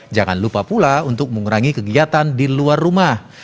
jangan lupa pula untuk mengurangi kegiatan di luar rumah